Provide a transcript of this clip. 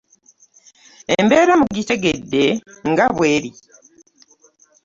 Embeera mugitegedde nga bw'eri.